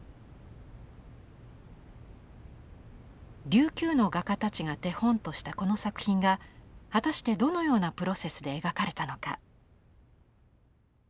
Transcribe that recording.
琉球の画家たちが手本としたこの作品が果たしてどのようなプロセスで描かれたのか。